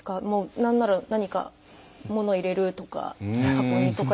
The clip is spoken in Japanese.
何なら何か物を入れるとか箱にとか。